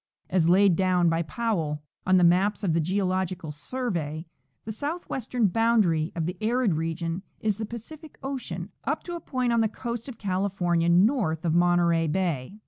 As laid down by Powell* on the maps of the Geological Survey, the southwestern boundary of the arid region is the Pacific ocean up to a point on the coast of California north of Monterey bay.